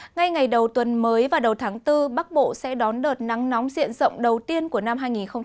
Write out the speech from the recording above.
ngay ngày đầu tuần mới và đầu tháng bốn bắc bộ sẽ đón đợt nắng nóng diện rộng đầu tiên của năm hai nghìn hai mươi